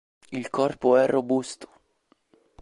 Il corpo è robusto.